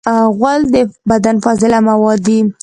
غول د بدن فاضله مواد دي.